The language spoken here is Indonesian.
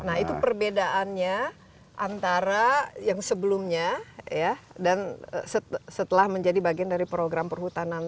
nah itu perbedaannya antara yang sebelumnya ya dan setelah menjadi bagian dari program perhutanan